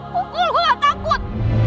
mukul gue gak takut